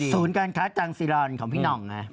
สูญการค้าจังซีรอนของพี่น้องนะ